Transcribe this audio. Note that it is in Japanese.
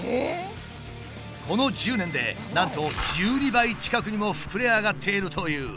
この１０年でなんと１２倍近くにも膨れ上がっているという。